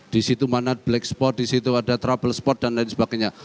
disitu mana black spot disitu ada trouble spot dan lain sebagainya